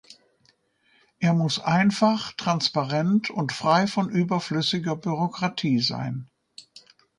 Er muss einfach, transparent und frei von überflüssiger Bürokratie sein.